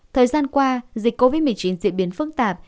thời gian qua dịch covid một mươi chín diễn biến phức tạp